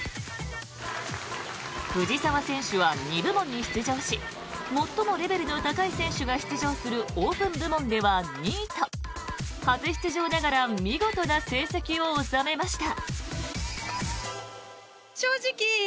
藤澤選手は２部門に出場し最もレベルの高い選手が出場するオープン部門では２位と初出場ながら見事な成績を収めました。